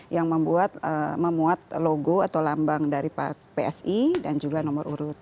yang memuat logo atau lambang dari psi dan juga nomor urut tiga